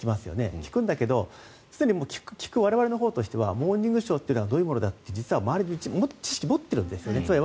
聞くんだけどすでに聞く我々のほうとしては「モーニングショー」というのはどういうものだという知識を持っているんですよね。